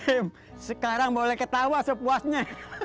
tim sekarang boleh ketawa sepuasnya